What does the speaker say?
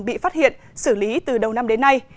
bị phát hiện xử lý từ đầu năm đến nay